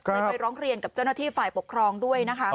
ไปร้องเรียนกับเจ้าหน้าที่ฝ่ายปกครองด้วยนะคะ